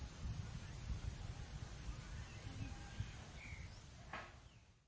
สวัสดีครับ